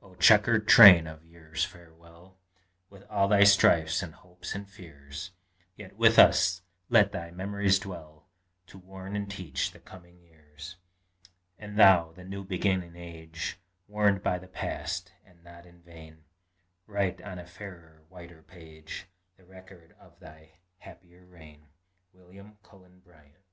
Oh, chequered train of years, farewell! With all thy strifes and hopes and fears! Yet with us let thy memories dwell, To warn and teach the coming years. And thou, the new beginning age, Warned by the past, and not in vain, Write on a fairer, whiter page, The record of thy happier reign. WILLIAM CULLEN BRYANT.